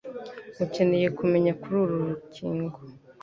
mukeneye kumenya kuri uru rukingo.